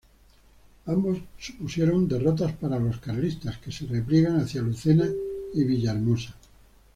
Ambos supusieron derrotas para los carlistas, que se repliegan hacia Lucena y Villahermosa.